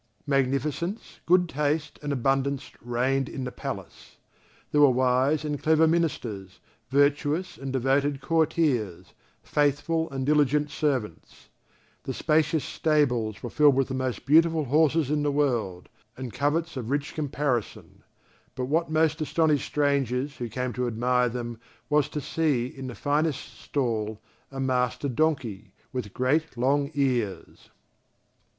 Magnificence, good taste, and abundance reigned in the palace; there were wise and clever ministers, virtuous and devoted courtiers, faithful and diligent servants. The spacious stables were filled with the most beautiful horses in the world, and coverts of rich caparison; but what most astonished strangers who came to admire them was to see, in the finest stall, a master donkey, with great long ears.